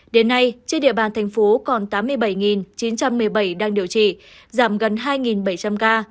đến nay trên địa bàn thành phố còn tám mươi bảy chín trăm một mươi bảy đang điều trị giảm gần hai bảy trăm linh ca